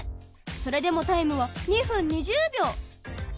それでもタイムは２分２０秒。